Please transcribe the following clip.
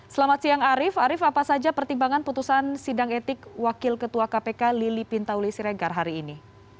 selamat siang arief arief apa saja pertimbangan putusan sidang etik wakil ketua kpk lili pintauli siregar hari ini